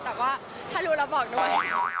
แต่ว่าถ้ารู้แล้วบอกด้วย